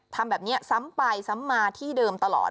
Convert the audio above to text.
ทำแบบนี้ซ้ำไปซ้ำมาที่เดิมตลอด